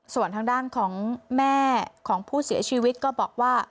ส่วนทางด้านของแม่ของผู้เสียชีวิตก็บอกว่า